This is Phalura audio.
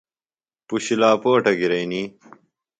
پُشیۡ لاپوٹہ گِرئنی۔